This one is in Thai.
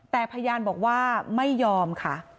แต่พยานบอกว่าไม่ยอมค่ะ